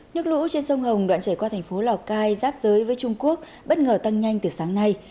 nước lũ trên sông hồng đoạn chảy qua thành phố lào cai giáp giới với trung quốc bất ngờ tăng nhanh từ sáng nay